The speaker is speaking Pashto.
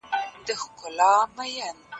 سلطنتي نظام تر کودتايي نظامونو ډېر باثباته و.